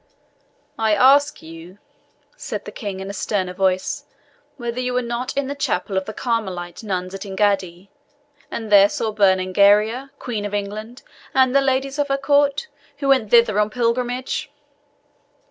"I ask you," said the King, in a sterner voice, "whether you were not in the chapel of the Carmelite nuns at Engaddi, and there saw Berengaria, Queen of England, and the ladies of her Court, who went thither on pilgrimage?"